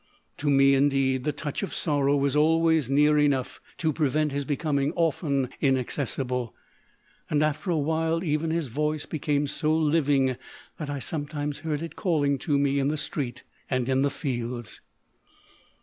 To me, indeed, the touch of sorrow was always near enough to prevent his becoming often inaccessible, and after a while even his voice became so living that I sometimes heard it calling to me in the street and in the fields.